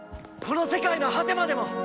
この世界の果てまでも！